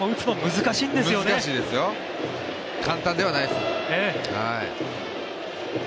難しいですよ、簡単ではないです。